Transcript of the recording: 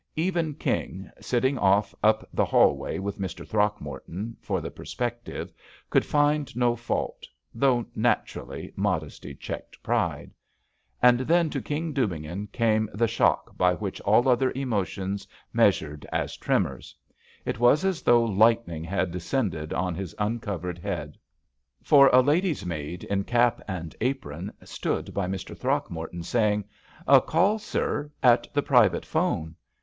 Even King, sitting off up the hallway with Mr. Throckmorton, for the perspective, could find no fault, though, naturally, modesty checked pride. And then to King Dubignon came the shock by which all other emotions measured as tremors. It was as though lightning had de scended on his uncovered head. For a lady's maid, in cap and apron, stood by Mr. Throck morton, saying: "A call, sir, at the private phone."